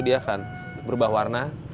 dia akan berubah warna